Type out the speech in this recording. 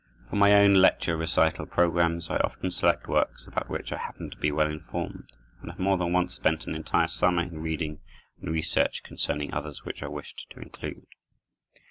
For my own Lecture Recital programs I often select works about which I happen to be well informed, and have more than once spent an entire summer in reading and research concerning others which I wished to include.